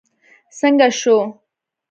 څنګه شو.